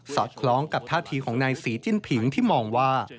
อดคล้องกับท่าทีของนายศรีจิ้นผิงที่มองว่า